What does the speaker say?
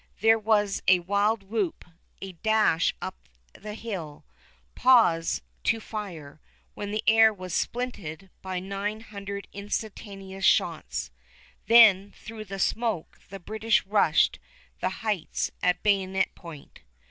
There was a wild whoop, a dash up the hill, a pause to fire, when the air was splinted by nine hundred instantaneous shots. Then through the smoke the British rushed the Heights at bayonet point.